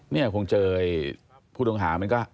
เนี่ยคงเจอผู้ต้องหามันก็